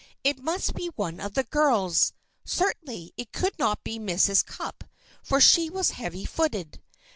It must be one of the girls. Certainly it could not be Mrs. Cupp, for she was heavy footed.